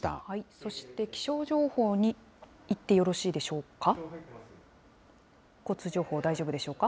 そして気象情報にいってよろしいでしょうか。